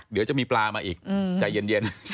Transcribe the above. เดี๋ยวจะมีปลามาอีกใจเย็น